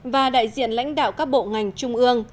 và đại diện lãnh đạo các bộ ngành trung ương